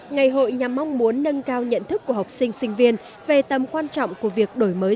ngày hội nhằm mong muốn nâng cao nhận thức của học sinh sinh viên về tầm quan trọng của việc đổi mới